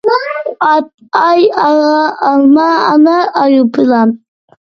ئات، ئاي، ئارا، ئالما، ئانار، ئايروپىلان.